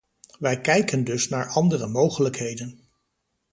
Wij kijken dus naar andere mogelijkheden.